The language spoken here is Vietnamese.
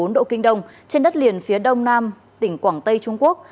một trăm linh chín bốn độ kinh đông trên đất liền phía đông nam tỉnh quảng tây trung quốc